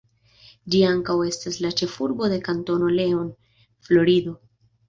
Ĝi ankaŭ estas la ĉefurbo de Kantono Leon, Florido.